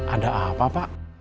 ada apa pak